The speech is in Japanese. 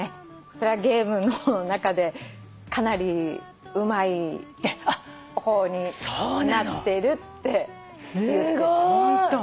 ゲームの中でかなりうまい方になってるって言ってた。